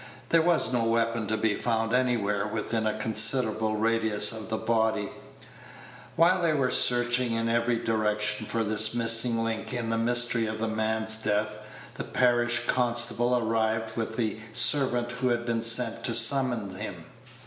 There was no weapon to be found anywhere within a considerable radius of the body. Page 127 While they were searching in every direction for this missing link in the mystery of the man's death, the parish constable arrived with the servant who had been sent to summon him.